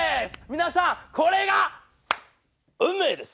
皆さんこれが運命です！